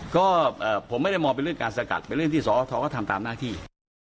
ก็ผมไม่ได้มองเป็นเรื่องการสกัดเป็นเรื่องที่สอทรก็ทำตามหน้าที่